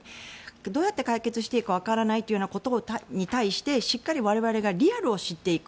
どうやって解決していいかわからないことに対してしっかり我々がリアルを知っていく。